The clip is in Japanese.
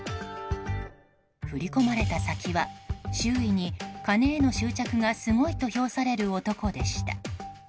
振り込まれた先は、周囲に金への執着がすごいと評される男でした。